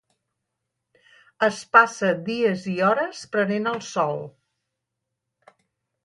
Es passa dies i hores prenent el sol.